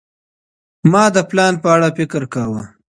ما د پلان په اړه فکر کاوه.